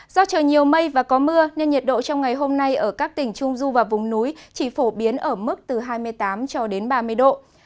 do trời nhiều mây và có mưa nên nhiệt độ trong ngày hôm nay ở các tỉnh trung du và vùng núi chỉ phổ biến ở mức từ hai mươi tám cho đến ba mươi độ